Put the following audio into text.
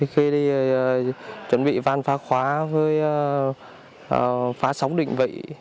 khi đi chuẩn bị văn phá khóa với phá sóng định vị